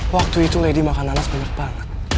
waktu itu lady makan anak sebanyak banget